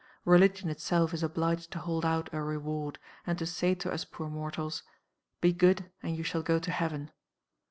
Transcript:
Religion itself is obliged to hold out a reward, and to say to us poor mortals, Be good, and you shall go to Heaven.